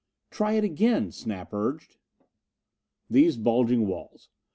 ] "Try it again," Snap urged. These bulging walls!